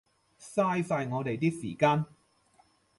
嘥晒我哋啲時間